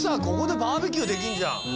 ここでバーベキューできんじゃん。